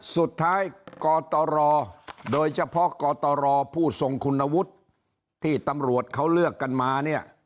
สุดท้ายกอตรปุ่นหรือพูดส่งขุนวุฒิ์ที่ตำรวจเขาเลือกกันมา